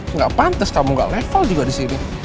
enggak pantas kamu enggak level juga di sini